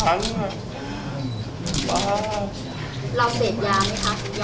เราเสร็จยาไหมครับ